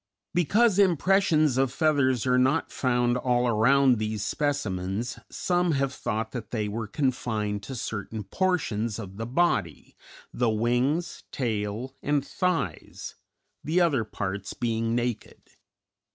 Because impressions of feathers are not found all around these specimens some have thought that they were confined to certain portions of the body the wings, tail, and thighs the other parts being naked.